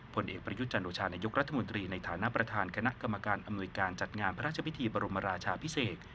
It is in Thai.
ผลเอกประยุทธ์จันโอชานายกรัฐมนตรีในฐานะประธานคณะกรรมการอำนวยการจัดงานพระราชพิธีบรมราชาพิเศษ